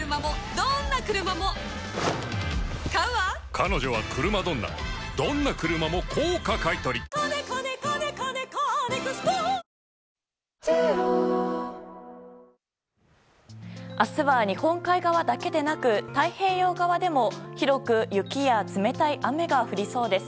今朝は厳しい冷え込みで明日は日本海側だけでなく太平洋側でも広く雪や冷たい雨が降りそうです。